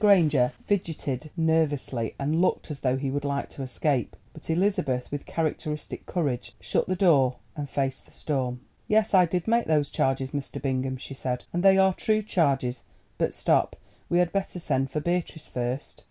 Granger fidgeted nervously and looked as though he would like to escape, but Elizabeth, with characteristic courage, shut the door and faced the storm. "Yes, I did make those charges, Mr. Bingham," she said, "and they are true charges. But stop, we had better send for Beatrice first."